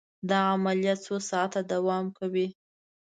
دا عملیه څو ساعته دوام کوي.